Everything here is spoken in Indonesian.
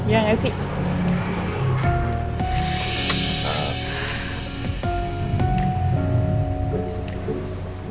iya gak sih